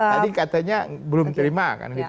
tadi katanya belum terima